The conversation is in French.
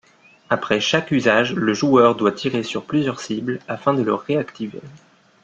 Après chaque usage, le joueur doit tirer sur plusieurs cibles afin de le réactiver.